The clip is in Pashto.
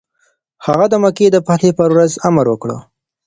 هغه د مکې د فتحې پر ورځ امر وکړ.